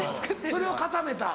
それを固めた。